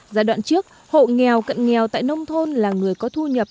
giai đoạn trước hộ nghèo cận nghèo tại nông thôn là người có thu nhập